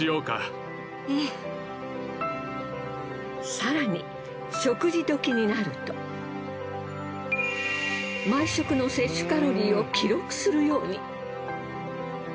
更に食事時になると毎食の摂取カロリーを記録するように。